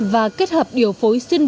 và kết hợp điều phối xuyên bệnh